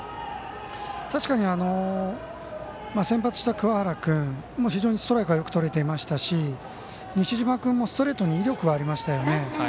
確かに、先発した桑原君も非常にストライクよくとれていましたし西嶋君もストレートに威力はありましたよね。